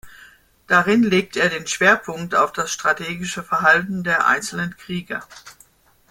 Darin legt er den Schwerpunkt auf das strategische Verhalten der einzelnen Krieger.